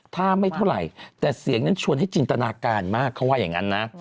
ถ้าไม่เท่าไหร่แต่เสียงนั้นชวนให้จินตนาการมากเขาว่าอย่างนั้นนะ